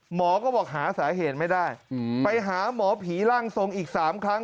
หมอก็บอกหาสาเหตุไม่ได้ไปหาหมอผีร่างทรงอีก๓ครั้ง